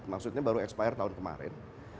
maksudnya baru expired tahun kemarin